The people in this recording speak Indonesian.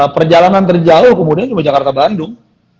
perjalanan terjauh kemudian cuma jakarta bandung